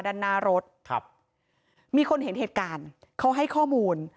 ด้านหน้ารถครับมีคนเห็นเหตุการณ์เขาให้ข้อมูล